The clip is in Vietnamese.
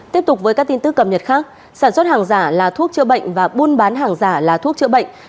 tiếp tục với các tin tức cập nhật khác sản xuất hàng giả là thuốc chữa bệnh và buôn bán hàng giả là thuốc chữa bệnh